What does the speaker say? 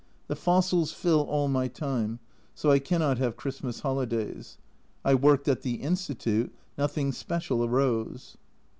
The fossils fill all my time, so I cannot have Christmas holidays. I worked at the Institute ; nothing special arose.